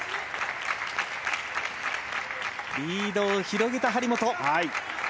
リードを広げた張本。